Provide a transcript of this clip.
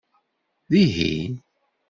Dihin?